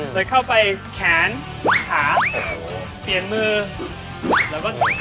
เลยเข้าไปแขนขาเปลี่ยนมือแล้วก็สเต็ปข้างหน้า